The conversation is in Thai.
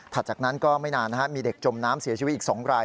จากนั้นก็ไม่นานมีเด็กจมน้ำเสียชีวิตอีก๒ราย